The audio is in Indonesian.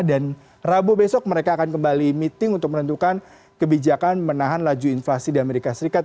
dan rabu besok mereka akan kembali meeting untuk menentukan kebijakan menahan laju inflasi di amerika serikat